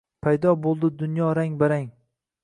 Paydo boʼldi dunyo rang-barang